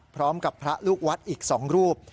พร้อมกับพระลูกวัดอีก๒รูป